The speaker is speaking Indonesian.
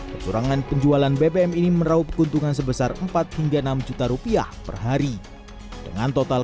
kecurangan penjualan bbm ini meraup keuntungan sebesar empat hingga enam juta rupiah perhari dengan total